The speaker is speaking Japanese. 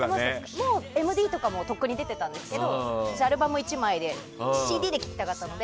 もうＭＤとかもとっくに出てたんですけど私はアルバム１枚でＣＤで聴きたかったので。